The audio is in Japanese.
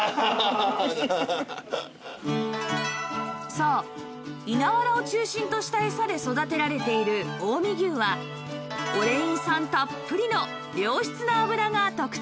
そう稲わらを中心とした餌で育てられている近江牛はオレイン酸たっぷりの良質な脂が特長